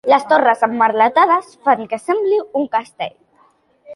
Les torres emmerletades fan que sembli un castell.